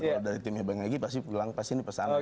kalau dari timnya bang egy pasti bilang pasti ini pesan